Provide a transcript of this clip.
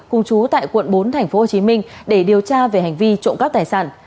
cùng chú tại quận bốn tp hcm để điều tra về hành vi trộm cắp tài sản